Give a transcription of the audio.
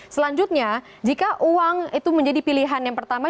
selanjutnya jika uang itu menjadi pilihan yang pertama